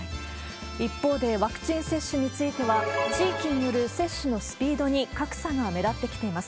一方でワクチン接種については、地域による接種のスピードに格差が目立ってきています。